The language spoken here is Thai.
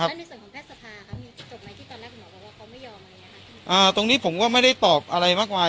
อ่าตรงนี้ผมก็ไม่ได้ตอบอะไรมากมาย